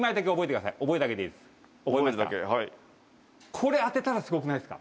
これ当てたらすごくないですか？